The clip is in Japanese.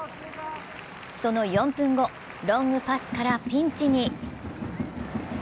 その４分後、ロングパスからピンチに。